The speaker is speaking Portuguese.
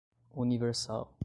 universal